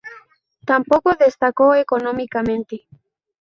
Tampoco destacó económicamente.